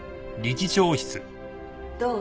どう？